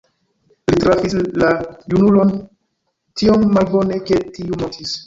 Li trafis la junulon tiom malbone, ke tiu mortis.